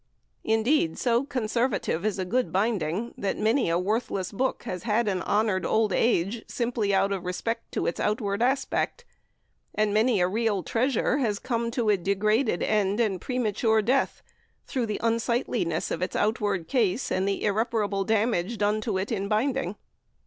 Indeed, so conservative is a good binding, that many a worthless book has had an honoured old age, simply out of respect to its outward aspect; and many a real treasure has come to a degraded end and premature death through the unsightliness of its outward case and the irreparable damage done to it in binding.